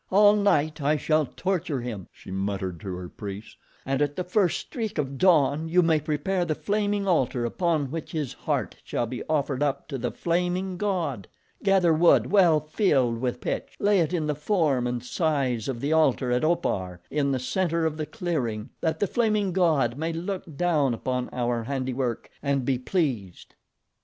"All night I shall torture him," she muttered to her priests, "and at the first streak of dawn you may prepare the flaming altar upon which his heart shall be offered up to the Flaming God. Gather wood well filled with pitch, lay it in the form and size of the altar at Opar in the center of the clearing that the Flaming God may look down upon our handiwork and be pleased."